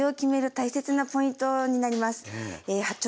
大切なポイントになります。